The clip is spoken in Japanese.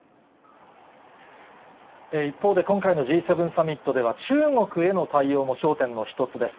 一方で今回のＧ７サミットでは、中国への対応も焦点の一つです。